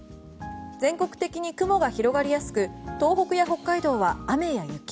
全国的に雲が広がりやすく東北や北海道は雨や雪。